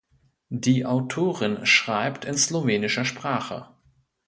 Die Autorin schreibt in slowenischer Sprache.